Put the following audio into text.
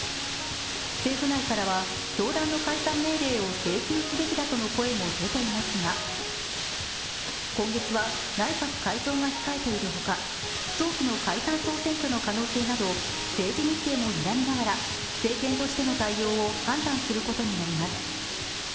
政府内からは、教団の解散命令を請求すべきだとの声も出ていますが今月は内閣改造が控えているほか、早期の解散総選挙の可能性など、政治日程もにらみながら政権としての対応を判断することになります。